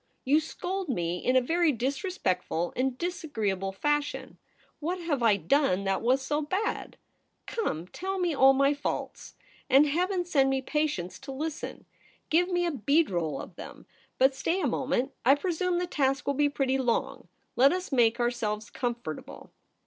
You scold me in a very disrespectful and dis agreeable fashion. What have I done that was so bad ? Come, tell me of all my faults ; VOL. I. II 1 62 THE REBEL ROSE. and Heaven send me patience to listen. Give me a bead roll of them. But stay a moment. I presume the task will be pretty long. Let us make ourselves comfortable.'